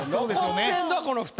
残ってんのはこの二人。